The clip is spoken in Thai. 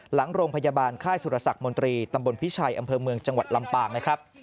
หลังโรงพยาบาลค่ายสุรสักมนตรีตำบลพิชัยอำเภอเมืองจังหวัดลำปางนะครับ